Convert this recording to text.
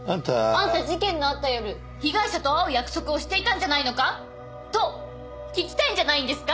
「あんた事件のあった夜被害者と会う約束をしていたんじゃないのか？」と聞きたいんじゃないんですか？